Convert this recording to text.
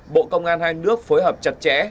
bộ công an hai nước phối hợp chặt chẽ